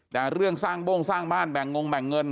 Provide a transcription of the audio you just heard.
แต่เรื่องสร้างโบ้งสร้างบ้านแบ่งงงแบ่งเงิน